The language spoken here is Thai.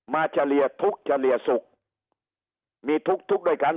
เฉลี่ยทุกข์เฉลี่ยสุขมีทุกข์ทุกข์ด้วยกัน